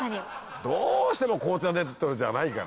どうしても紅茶でってことじゃないから。